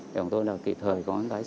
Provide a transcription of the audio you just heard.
chúng tôi là kịp thời